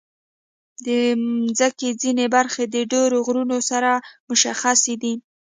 د مځکې ځینې برخې د ډېرو غرونو سره مشخصې دي.